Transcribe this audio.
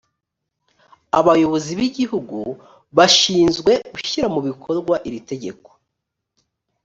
abayobozi b igihugu bashinzwe gushyira mu bikorwa iri tegeko